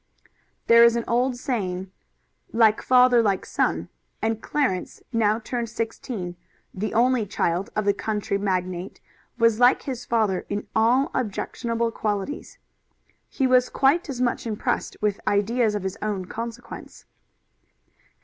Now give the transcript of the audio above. There is an old saying, "Like father, like son," and Clarence, now turned sixteen, the only child of the country magnate, was like his father in all objectionable qualities. He was quite as much impressed with ideas of his own consequence.